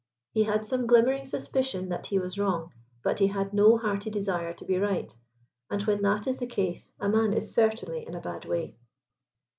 He had some glimmering suspicion that he was wrong, but he had no hearty desire to be right, and when that is the case a man is certainly in a bad way.